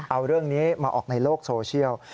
เอาเรื่องนี้มาออกในโลกโซเชียล